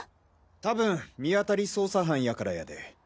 多分見当たり捜査班やからやで。